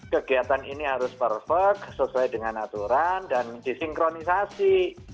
kegiatan ini harus perfect sesuai dengan aturan dan disinkronisasi